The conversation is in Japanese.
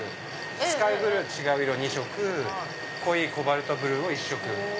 スカイブルー違う色２色濃いコバルトブルーを１色。